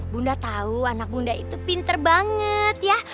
bunda tahu anak bunda itu pinter banget ya